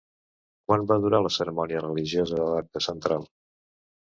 Quan va durar la cerimònia religiosa de l'acte central?